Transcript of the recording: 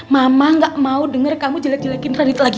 mama ga mau denger kamu jelek jelekin radit lagi